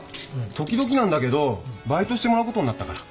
時々なんだけどバイトしてもらうことになったから。